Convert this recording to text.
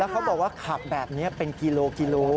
แล้วเขาบอกว่าขับแบบนี้เป็นกิโล